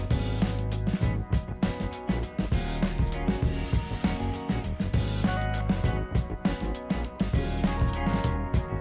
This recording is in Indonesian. dia tanya pak erlang enggak dong